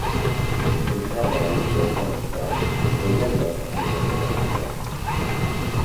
Bizkarrean mina izan ostean, deialdian sartu du entrenatzaileak.